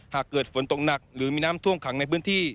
หากเกิดฝนตกหนักหรือมีน้ำท่วมขังในพื้นที่